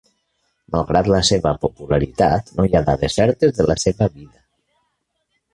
Malgrat la seva popularitat, no hi ha dades certes de la seva vida.